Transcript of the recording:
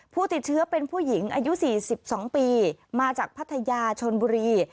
ผู้ติดเชื้อเป็นผู้หญิงอายุ๔๒ปีมาจากพัทยาชนบุรี